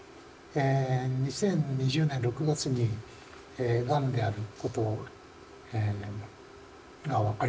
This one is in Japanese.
２０２０年６月にがんであることが分かりましてですね